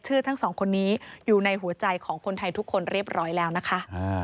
ทั้งสองคนนี้อยู่ในหัวใจของคนไทยทุกคนเรียบร้อยแล้วนะคะ